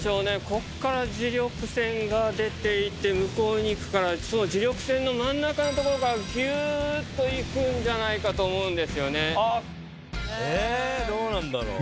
ここから磁力線が出ていて向こうに行くからその磁力線の真ん中のところからキューッと行くんじゃないかと思うんですよねえっどうなんだろう